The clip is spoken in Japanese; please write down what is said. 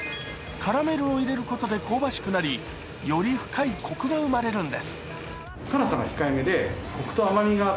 カラメルを入れることで香ばしくなり、より深いこくが生まれるんです。